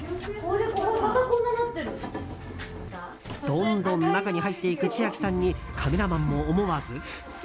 どんどん中に入っていく千秋さんにカメラマンも思わず。